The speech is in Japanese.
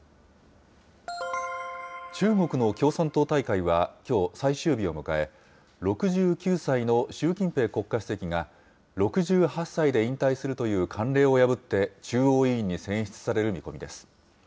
中国の共産党大会は、きょう、最終日を迎え、６９歳の習近平国家主席が、６８歳で引退するという慣例を破って、中央委員に選出される見込みです。